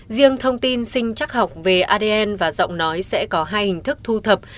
riêng thông tin sinh chắc học về adn và giọng nói sẽ có hai hình thức thu thập